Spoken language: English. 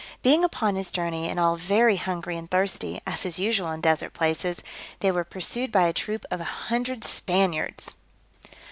Being upon his journey, and all very hungry and thirsty, as is usual in desert places, they were pursued by a troop of an hundred Spaniards.